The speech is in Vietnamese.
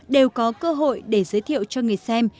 đều có cơ hội để giới thiệu cho người xem